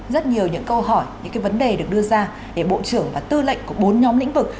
rất nhiều những câu hỏi những cái vấn đề được đưa ra để bộ trưởng và tư lệnh của bốn nhóm lĩnh vực